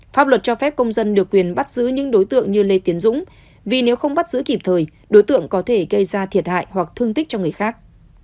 pháp luật cho phép công dân được quyền bắt giữ những đối tượng như lê tiến dũng vì nếu không bắt giữ kịp thời đối tượng có thể gây ra thiệt hại hoặc thương tích cho người khác